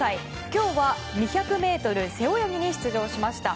今日は２００ｍ背泳ぎに出場しました。